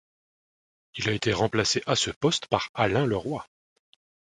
Il a été remplacé à ce poste par Alain Le Roy.